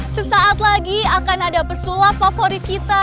sesaat lagi akan ada pesulap favorit kita